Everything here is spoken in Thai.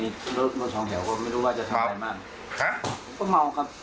ไม่ครับก็คือแบบ